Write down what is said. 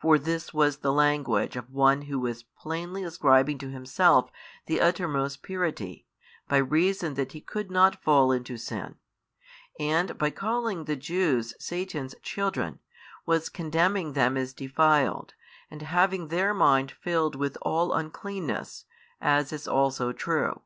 for this was the language of one who was plainly ascribing to Himself the uttermost purity, by reason that He could not fall into sin, and by calling the Jews Satan's children was condemning them as defiled and having their mind filled with all uncleanness, as is also true.